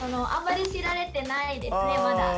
あまり知られてないですね、まだ。